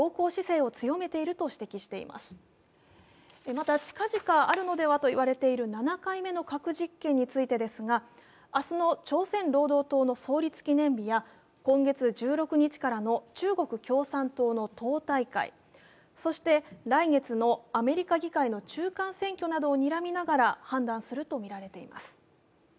また、近々あるのではと言われている７回目の核実験ですが明日の朝鮮労働党の創立記念日や今月１６日からの中国共産党の党大会、そして来月のアメリカ議会の中間選挙などをにらみながら判断するとみられています。